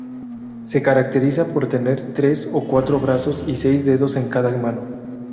Se caracteriza por tener tres o cuatro brazos y seis dedos en cada mano.